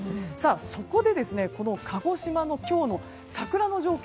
そこでこの鹿児島の今日の桜の状況